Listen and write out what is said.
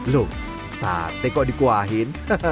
loh sate kok dikuahin